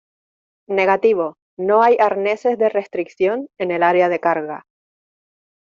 Negativo. No hay arneses de restricción en el área de carga .